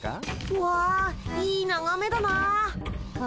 わあいいながめだなあ。